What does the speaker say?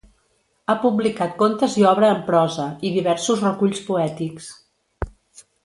Ha publicat contes i obra en prosa, i diversos reculls poètics.